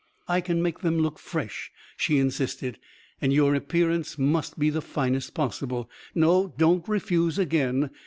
"I can make them look fresh," she insisted, "and your appearance must be the finest possible. No, don't refuse again.